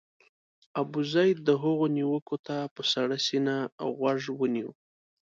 ابوزید هغو نیوکو ته په سړه سینه غوږ ونیو.